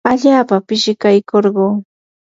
allaapa pishikaykurquu.